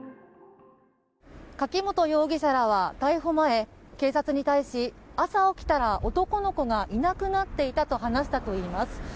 柿本容疑者らは逮捕前警察に対し、朝起きたら男の子がいなくなっていたと話したといいます。